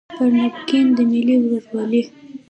پر تربګنۍ د ملي ورورولۍ